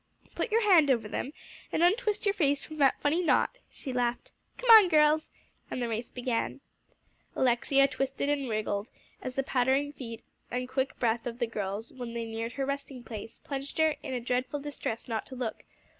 "Put your hand over them, and untwist your face from that funny knot," she laughed. "Come on, girls," and the race began. Alexia twisted and wriggled, as the pattering feet and quick breath of the girls when they neared her resting place, plunged her in dreadful distress not to look.